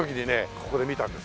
ここで見たんです。